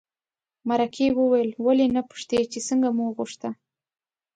مرکې وویل ولې نه پوښتې چې څنګه مو وغوښته.